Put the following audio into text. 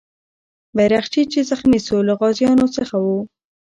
بیرغچی چې زخمي سو، له غازیانو څخه و.